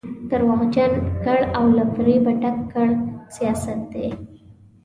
درواغجن ګړ او له فرېبه ډک کړ سیاست دی.